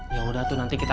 yaudah tuh nanti kita